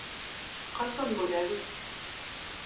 Ҡасан бүләбеҙ?